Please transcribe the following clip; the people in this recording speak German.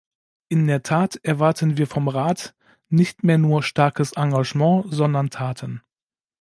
In der Tat erwarten wir vom Rat nicht mehr nur starkes Engagement, sondern Taten.